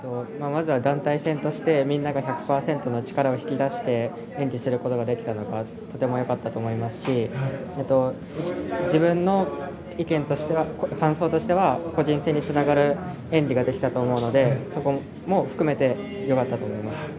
まずは団体戦としてみんなが１００％の力を引き出して演技をすることができたのがとてもよかったと思いますし自分の意見としては感想としては個人戦につながる演技ができたと思うのでそこも含めてよかったと思います。